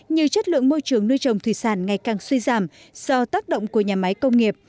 như chất lượng môi trường nuôi trồng thủy sản ngày càng suy giảm do tác động của nhà máy công nghiệp